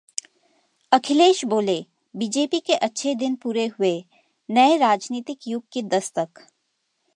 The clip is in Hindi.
अखिलेश बोले- बीजेपी के अच्छे दिन पूरे हुए, नए राजनीतिक युग की दस्तक